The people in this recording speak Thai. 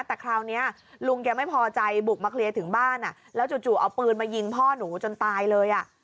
แต่คราวนี้ลุงแกไม่พอใจบุกมาเคลียร์ถึงบ้านแล้วจู่เอาปืนมายิงพ่อหนูจนตายเลย